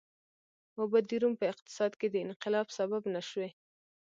اوبه د روم په اقتصاد کې د انقلاب سبب نه شوې.